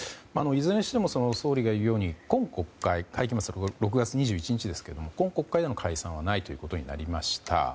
いずれにしても総理が言うように今国会の会期末は６月２１日ですけれども今国会での解散はないということになりました。